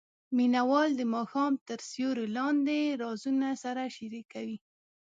مینه وال د ماښام تر سیوري لاندې رازونه سره شریکوي.